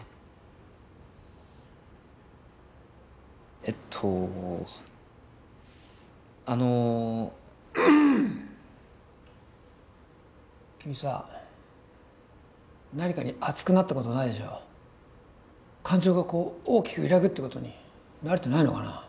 えっとあの君さ何かに熱くなったことないでしょ感情がこう大きく揺らぐってことに慣れてないのかな